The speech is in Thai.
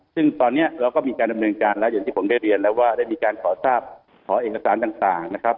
ซึ่งตอนนี้เราก็มีการดำเนินการแล้วอย่างที่ผมได้เรียนแล้วว่าได้มีการขอทราบขอเอกสารต่างนะครับ